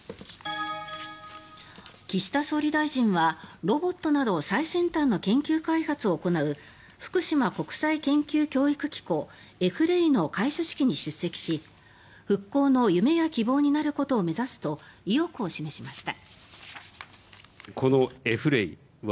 岸田総理大臣は、ロボットなど最先端の研究開発を行う福島国際研究教育機構・Ｆ−ＲＥＩの開所式に出席し復興の夢や希望になることを目指すと意欲を示しました。